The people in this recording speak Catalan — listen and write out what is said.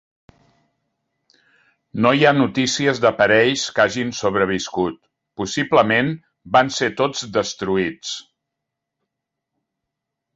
No hi ha notícies d'aparells que hagin sobreviscut, possiblement van ser tots destruïts.